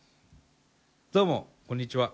どうもこんにちは。